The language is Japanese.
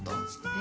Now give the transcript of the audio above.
え？